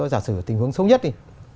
giả sử tình huống xấu nhất đi